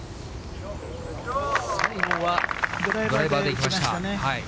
西郷はドライバーでいきましたね。